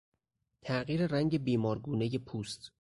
تغییر رنگ بیمار گونهی پوست